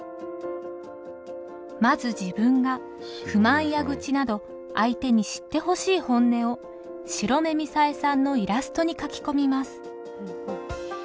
まず自分が不満や愚痴など相手に知ってほしい本音を白目みさえさんのイラストに書き込みます。